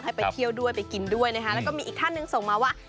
ไปเที่ยวด้วยไปกินด้วยนะคะแล้วก็มีอีกท่านหนึ่งส่งมาว่า